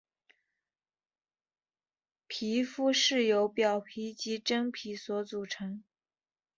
皮肤是由表皮及真皮所组成。